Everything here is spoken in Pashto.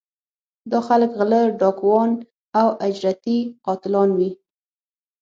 دا خلک غلۀ ، ډاکوان او اجرتي قاتلان وي